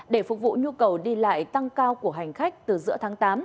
để phục vụ nhu cầu đi lại tăng cao của hành khách từ giữa tháng tám